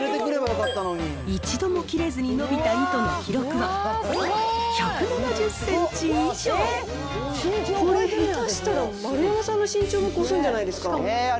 一度も切れずに伸びた糸の記録は、これ、下手したら丸山さんの身長も越すんじゃないですか。